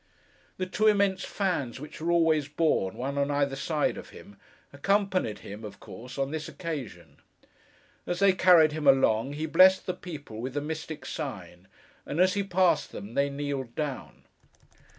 The two immense fans which are always borne, one on either side of him, accompanied him, of course, on this occasion. As they carried him along, he blessed the people with the mystic sign; and as he passed them, they kneeled down.